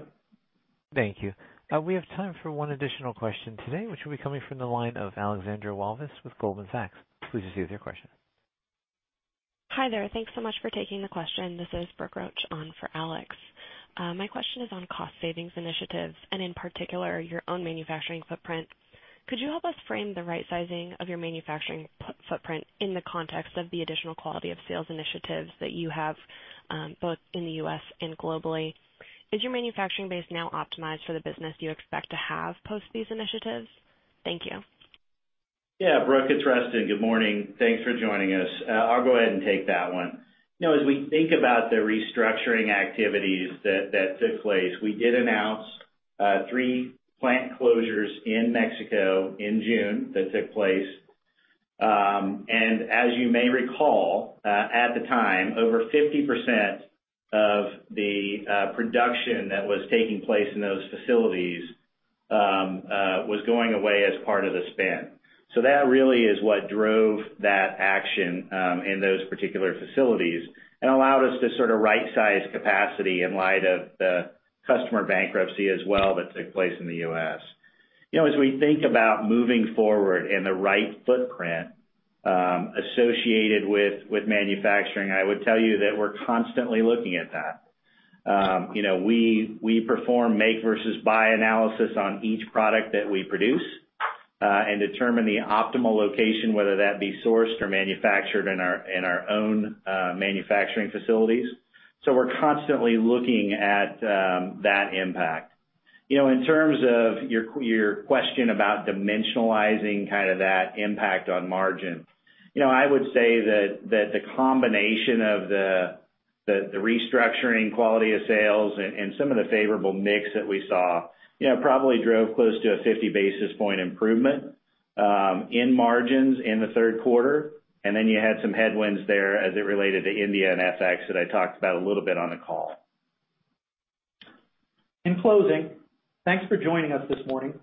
Thank you. We have time for one additional question today, which will be coming from the line of Alexandra Walvis with Goldman Sachs. Please proceed with your question.
Hi there. Thanks so much for taking the question. This is Brooke Roach on for Alex. My question is on cost savings initiatives and, in particular, your own manufacturing footprint. Could you help us frame the right sizing of your manufacturing footprint in the context of the additional quality of sales initiatives that you have both in the U.S. and globally? Is your manufacturing base now optimized for the business you expect to have post these initiatives? Thank you.
Yeah, Brooke, it's Rustin. Good morning. Thanks for joining us. I'll go ahead and take that one. As we think about the restructuring activities that took place, we did announce three plant closures in Mexico in June that took place. As you may recall, at the time, over 50% of the production that was taking place in those facilities was going away as part of the spin. That really is what drove that action in those particular facilities and allowed us to sort of right-size capacity in light of the customer bankruptcy as well that took place in the U.S. As we think about moving forward and the right footprint associated with manufacturing, I would tell you that we're constantly looking at that. We perform make versus buy analysis on each product that we produce, and determine the optimal location, whether that be sourced or manufactured in our own manufacturing facilities. We're constantly looking at that impact. In terms of your question about dimensionalizing that impact on margin, I would say that the combination of the restructuring quality of sales and some of the favorable mix that we saw probably drove close to a 50 basis point improvement in margins in the third quarter. You had some headwinds there as it related to India and FX that I talked about a little bit on the call.
In closing, thanks for joining us this morning.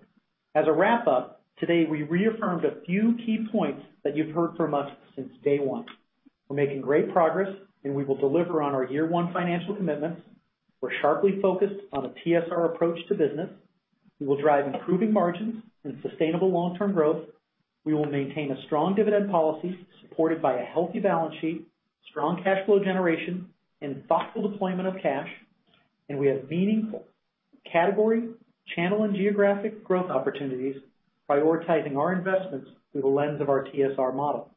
As a wrap up, today, we reaffirmed a few key points that you've heard from us since day one. We're making great progress, and we will deliver on our year one financial commitments. We're sharply focused on a TSR approach to business. We will drive improving margins and sustainable long-term growth. We will maintain a strong dividend policy supported by a healthy balance sheet, strong cash flow generation, and thoughtful deployment of cash. We have meaningful category, channel, and geographic growth opportunities, prioritizing our investments through the lens of our TSR model.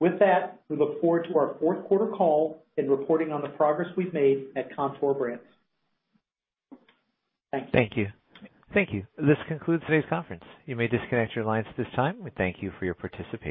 With that, we look forward to our fourth quarter call and reporting on the progress we've made at Kontoor Brands. Thanks.
Thank you. This concludes today's conference. You may disconnect your lines at this time. We thank you for your participation.